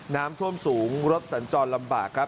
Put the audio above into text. น้ำท่วมสูงรถสัญจรลำบากครับ